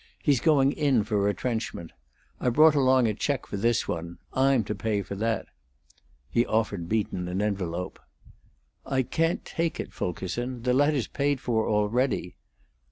He's going in for retrenchment. I brought along a check for this one; I'm to pay for that." He offered Beaton an envelope. "I can't take it, Fulkerson. The letter's paid for already."